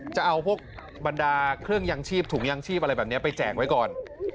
จะเอาพวกบรรดาเครื่องยังชีพถุงยางชีพอะไรแบบนี้ไปแจกไว้ก่อน